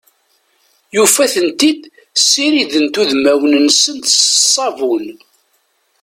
Yufa-tent-id ssirident udmawen-nsent s ssabun.